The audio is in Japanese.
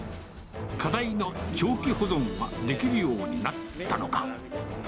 課題の長期保存はできるようになったのか。